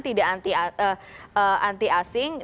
tidak anti asing